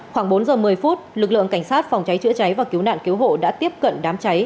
khoảng bốn giờ một mươi phút lực lượng cảnh sát phòng cháy chữa cháy và cứu nạn cứu hộ đã tiếp cận đám cháy